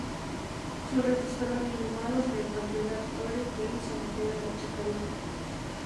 Sus restos fueron inhumados en el Panteón de Actores del Cementerio de La Chacarita.